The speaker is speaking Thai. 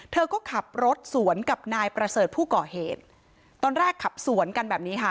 เธอก็ขับรถสวนกับนายประเสริฐผู้ก่อเหตุตอนแรกขับสวนกันแบบนี้ค่ะ